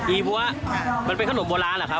อีบัวมันเป็นขนมโบราณหรอครับ